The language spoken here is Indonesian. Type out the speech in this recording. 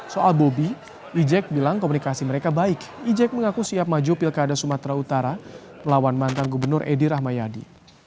soal bobi ijek bilang komunikasi mereka baik ejek mengaku siap maju pilkada sumatera utara melawan mantan gubernur edi rahmayadi